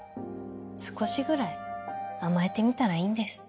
少しぐらい甘えてみたらいいんです